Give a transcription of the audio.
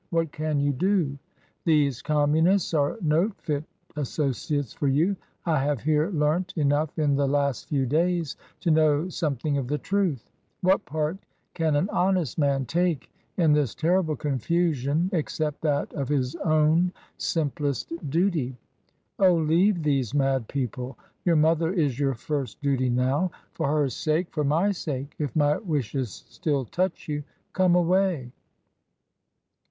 What can you do? These Com munists are no fit associates for you. I have here learnt enough in the last few days to know some thing of the truth. What part can an honest man take in this terrible confusion except that of his own simplest duty? Oh, leave these mad people! Your mother is your first duty now. For her sake, for my sake, if my wishes still touch you, come away."